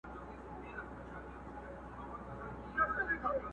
د هر ښار په جنایت کي به شامل وو؛